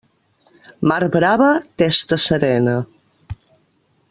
Mar brava, testa serena.